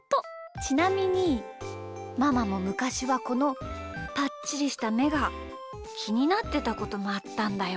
ちなみにママもむかしはこのぱっちりしためがきになってたこともあったんだよ。